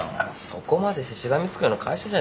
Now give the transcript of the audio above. そこまでしてしがみつくような会社じゃねえだろ。